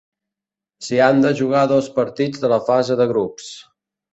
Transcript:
S'hi han de jugar dos partits de la fase de grups.